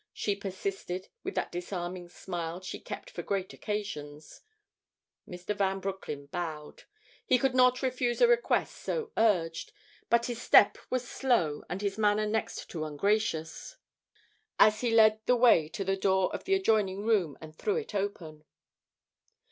she persisted, with that disarming smile she kept for great occasions. Mr. Van Broecklyn bowed. He could not refuse a request so urged, but his step was slow and his manner next to ungracious as he led the way to the door of the adjoining room and threw it open.